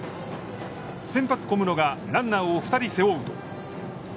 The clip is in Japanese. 先発小室がランナーを２人背負うと。